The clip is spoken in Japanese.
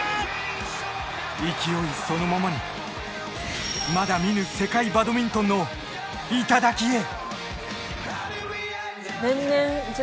勢いそのままに、まだ見ぬ世界バドミントンの頂へ。